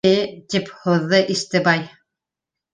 — Э... — тип һуҙҙы Истебай.